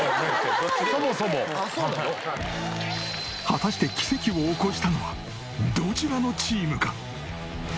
果たして奇跡を起こしたのはどちらのチームか？